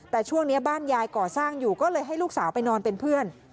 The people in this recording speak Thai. แต่ช่วงนี้บ้านยายก่อสร้างอยู่ก็เลยให้ลูกสาวไปนอนเป็นเพื่อน